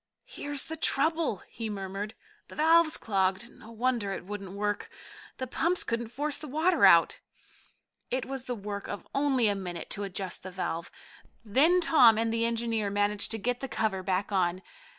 "Here's the trouble!" he murmured. "The valve's clogged. No wonder it wouldn't work. The pumps couldn't force the water out." It was the work of only a minute to adjust the valve. Then Tom and the engineer managed to get the cover back on.